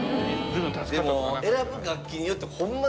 でも選ぶ楽器によってホンマ。